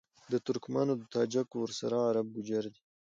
د ترکمــــنــــــو، د تاجـــــــــکــــو، ورســـــره عــــرب گـــوجـــر دي